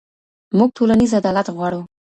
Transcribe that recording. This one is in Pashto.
موږ ټولنيز عدالت غواړو.